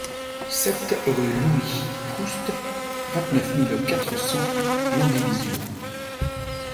sept rue Louis Proust, vingt-neuf mille quatre cents Landivisiau